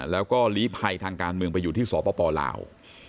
แล้วก็ลีภัยทางการเมืองไปอยู่ที่สปลาว